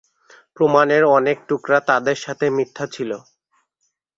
প্রমাণের অনেক টুকরা তাদের সাথে মিথ্যা ছিল।